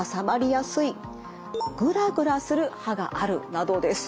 などです。